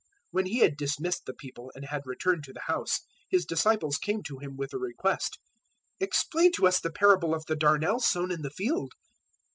013:036 When He had dismissed the people and had returned to the house, His disciples came to Him with the request, "Explain to us the parable of the darnel sown in the field."